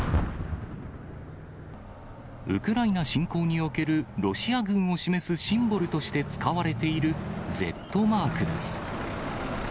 ウクライナ侵攻におけるロシア軍を示すシンボルとして使われているＺマークです。